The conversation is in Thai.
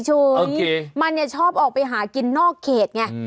มันชอบออกไปหากินนอกเขตไง